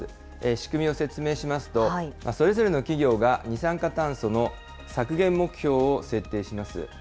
仕組みを説明しますと、それぞれの企業が二酸化炭素の削減目標を設定します。